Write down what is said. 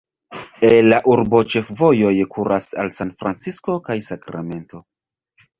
El la urbo ĉefvojoj kuras al San Francisco kaj Sakramento.